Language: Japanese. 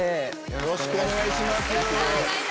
よろしくお願いします。